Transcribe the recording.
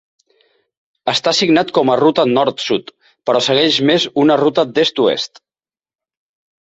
Està signat com a ruta nord-sud, però segueix més una ruta d'est-oest.